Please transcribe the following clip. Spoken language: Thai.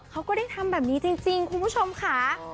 คุณผู้ชมขา